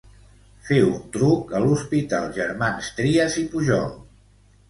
Fer un truc a l'Hospital Germans Trias i Pujol.